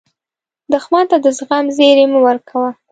دښمن ته د زغم زیری مه ورکوه